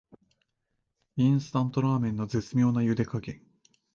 インスタントラーメンの絶妙なゆで加減